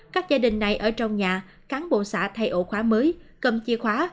các gia đình này ở trong nhà cán bộ xã thay ổ khóa mới cầm chìa khóa